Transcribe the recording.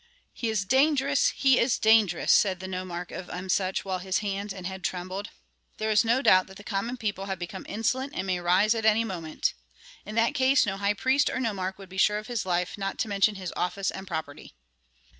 "He is dangerous! he is dangerous!" said the nomarch of Emsuch, while his hands and head trembled. "There is no doubt that the common people have become insolent and may rise any moment. In that case no high priest or nomarch would be sure of his life, not to mention his office and property."